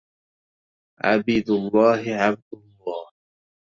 عبيد اللّه عبد الله